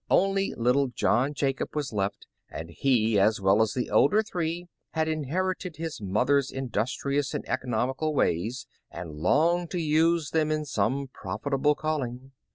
Only little John Jacob was left, and he, as well as the older three, had inherited his mother's industrious and economical ways, and longed to use them in some profitable call ing.